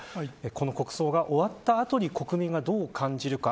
この国葬が終わったあとに国民がどう感じるか。